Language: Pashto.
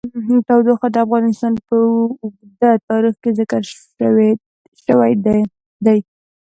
تودوخه د افغانستان په اوږده تاریخ کې ذکر شوی دی.